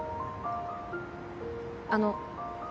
あの。